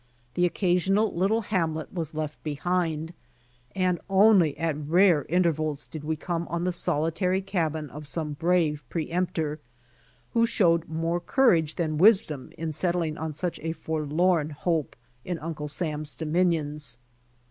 The occasional little hamlet was left behind and only at rare intervals did we come on the solitary cabin of some brave pre emptor, who showed more courage than wisdom in settling on such a forlorn hope in Uncle Sam's domains.